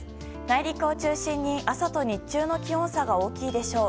内陸を中心に朝と日中の気温差が大きいでしょう。